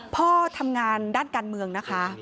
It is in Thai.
พ่อทำงานด้านการเมืองนะคะ